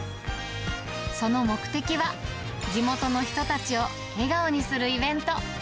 その目的は、地元の人たちを笑顔にするイベント。